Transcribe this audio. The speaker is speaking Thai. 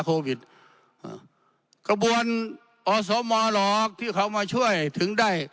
โควิดอ่ากระบวนอสมหรอกที่เขามาช่วยถึงได้